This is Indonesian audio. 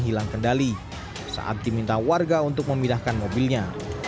hilang kendali saat diminta warga untuk memindahkan mobilnya